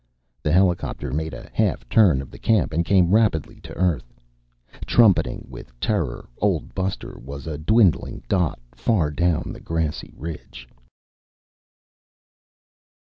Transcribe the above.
The helicopter made a half turn of the camp and came rapidly to Earth. Trumpeting with terror, Old Buster was a dwindling dot far down the grassy ridge.